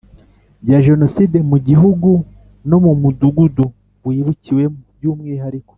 Ya jenoside mu gihugu no mu mudugudu wibukiwemo by umwihariko